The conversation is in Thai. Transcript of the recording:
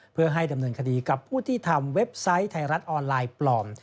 เพื่อให้ดำเนินคดีกับผู้ที่ทำเว็บไซต์ไทยรัฐออนไลน์ปลอม